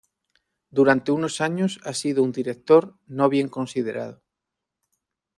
Durante unos años ha sido un director no bien considerado.